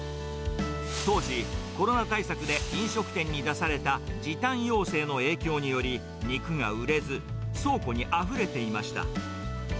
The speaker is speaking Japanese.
当時、コロナ対策で飲食店に出された時短要請の影響により、肉が売れず、倉庫にあふれていました。